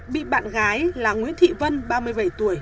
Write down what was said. bị bạn gái là nguyễn thị vân ba mươi bảy tuổi